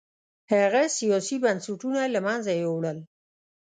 هغه سیاسي بنسټونه یې له منځه یووړل